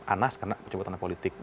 anas kena pencabutan hak politik